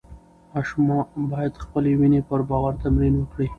ماشوم باید د خپلې وینې پر باور تمرین وکړي.